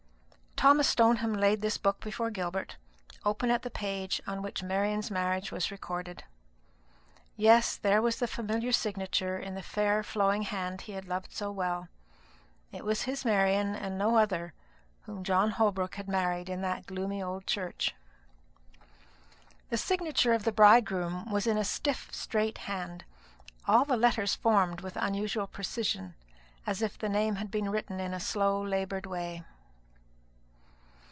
Thomas Stoneham laid this book before Gilbert, open at the page on which Marian's marriage was recorded. Yes, there was the familiar signature in the fair flowing hand he had loved so well. It was his Marian, and no other, whom John Holbrook had married in that gloomy old church. The signature of the bridegroom was in a stiff straight hand, all the letters formed with unusual precision, as if the name had been written in a slow laboured way.